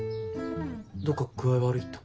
どっか具合悪いとか？